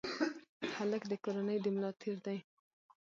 هلک د کورنۍ د ملا تیر دی.